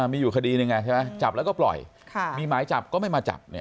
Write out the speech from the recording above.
มีอยู่คดีหนึ่งจับแล้วก็ปล่อยมีหมายจับก็ไม่มาจับ